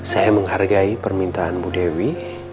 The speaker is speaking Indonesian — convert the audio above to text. saya menghargai permintaan bu dewi